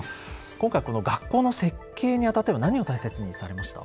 今回この学校の設計にあたっては何を大切にされました？